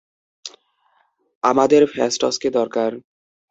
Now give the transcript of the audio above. আমাদের ফ্যাসটসকে দরকার!